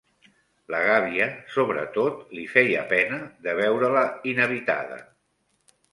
La gàbia, sobretot, li feia pena de veure-la inhabitada